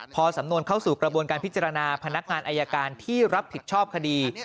พอสำนวนเข้าสู่กระบวนการพิจารณาพนักงานอายการที่รับผิดชอบคดี